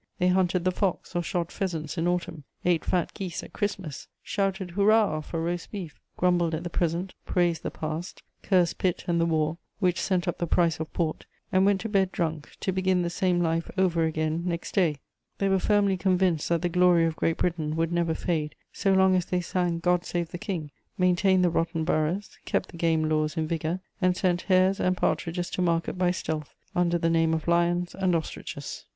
They hunted the fox or shot pheasants in autumn, ate fat geese at Christmas, shouted "Hurrah" for roast beef, grumbled at the present, praised the past, cursed Pitt and the war, which sent up the price of port, and went to bed drunk to begin the same life over again next day. They were firmly convinced that the glory of Great Britain would never fade so long as they sang God save the King, maintained the rotten boroughs, kept the game laws in vigour, and sent hares and partridges to market by stealth under the name of "lions" and "ostriches."